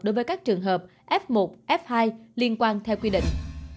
đối với các trường hợp f một f hai liên quan theo quy định